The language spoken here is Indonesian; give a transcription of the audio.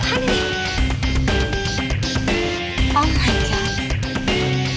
kamu jangan gitu dong